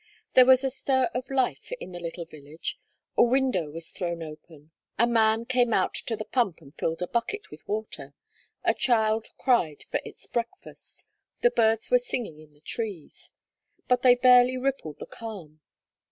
There was a stir of life in the little village; a window was thrown open; a man came out to the pump and filled a bucket with water; a child cried for its breakfast; the birds were singing in the trees. But they barely rippled the calm.